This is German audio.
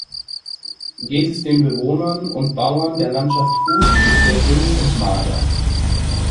Geht es den Bewohnern und Bauern der Landschaft gut, ist er dünn und mager.